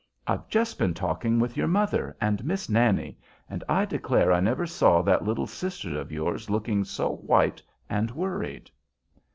I've just been talking with your mother and Miss Nannie, and I declare I never saw that little sister of yours looking so white and worried."